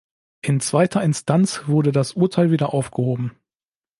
In zweiter Instanz wurde das Urteil wieder aufgehoben.